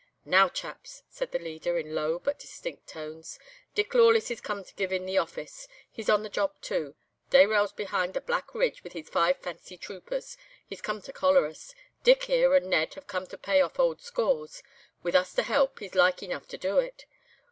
"'Now, chaps!' said the leader, in low but distinct tones, 'Dick Lawless is come to give in the office. He's on the job too. Dayrell's behind the black ridge, with his five fancy troopers. He's come to collar us. Dick here and Ned have come to pay off old scores. With us to help he's like enough to do it.